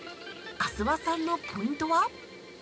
阿諏訪さんのポイントは？